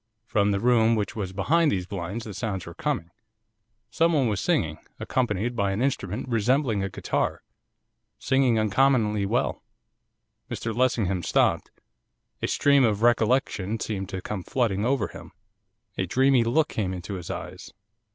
From the room which was behind these blinds the sounds were coming. Someone was singing, accompanied by an instrument resembling a guitar, singing uncommonly well.' Mr Lessingham stopped. A stream of recollection seemed to come flooding over him. A dreamy look came into his eyes.